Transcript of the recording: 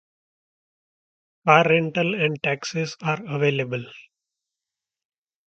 Car rental and taxis are available.